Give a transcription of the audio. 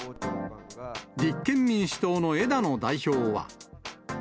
立憲民主党の枝野代表は。